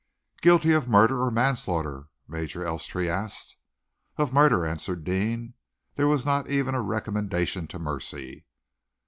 "Guilty of murder or manslaughter?" Major Elstree asked. "Of murder," answered Deane. "There was not even a recommendation to mercy."